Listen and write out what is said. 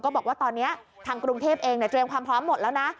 บอกว่าตอนนี้ทางกรุงเทพเองเตรียมความพร้อมหมดแล้วนะ